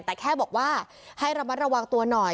แต่แค่บอกว่าให้ระมัดระวังตัวหน่อย